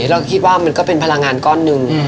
เราคิดว่ามันก็เป็นพลังงานก้อนหนึ่ง